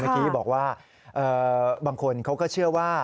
ที่บอกว่าบางคนเขาก็เชื่อว่า